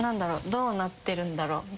どうなってるんだろうみたいな。